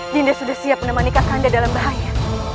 dindas sudah siap menemani kakanda dalam bahaya